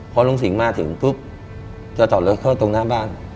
พอลุงสิงห์มาถึงปุ๊บจะจอดรถเข้าตรงหน้าบ้าน